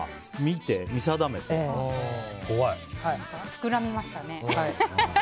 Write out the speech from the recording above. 膨らみましたね。